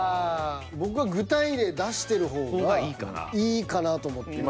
僕は具体例出してる方がいいかなと思って。